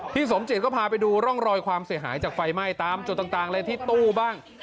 สมจิตก็พาไปดูร่องรอยความเสียหายจากไฟไหม้ตามจุดต่างเลยที่ตู้บ้าง